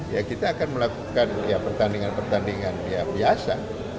ya kita akan melakukan pertandingan pertandingan biasa